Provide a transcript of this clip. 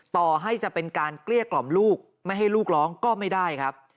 ต่อให้จะเป็นการเกลี้ยกล่อมลูกไม่ให้ลูกร้องก็ไม่ได้ครับ